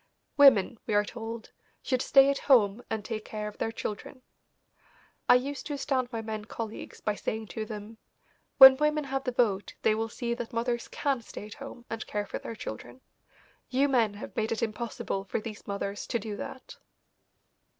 Women, we are told, should stay at home and take care of their children. I used to astound my men colleagues by saying to them: "When women have the vote they will see that mothers can stay at home and care for their children. You men have made it impossible for these mothers to do that."